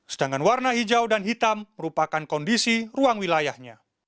sedangkan warna hijau dan hitam merupakan kondisi ruang wilayahnya